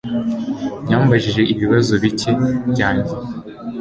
Yambajije ibibazo bike byanjye